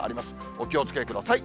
お気をつけください。